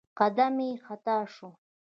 قدم يې خطا شو.